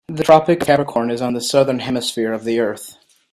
The Tropic of Capricorn is on the Southern Hemisphere of the earth.